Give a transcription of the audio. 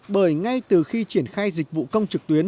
bởi ngay từ khi triển khai dịch vụ công trực tuyến